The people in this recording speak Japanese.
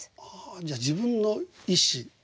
じゃあ自分の意思。